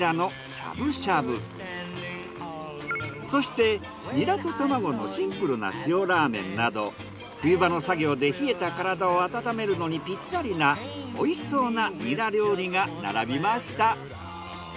そしてニラと卵のシンプルな塩ラーメンなど冬場の作業で冷えた体を温めるのにピッタリな美味しそうなニラ料理が並びました。